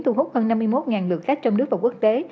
thu hút hơn năm mươi một lượt khách trong nước và quốc tế